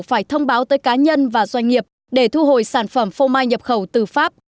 phải thông báo tới cá nhân và doanh nghiệp để thu hồi sản phẩm phô mai nhập khẩu từ pháp